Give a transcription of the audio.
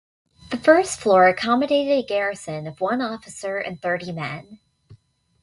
The first floor accommodated a garrison of one officer and thirty men.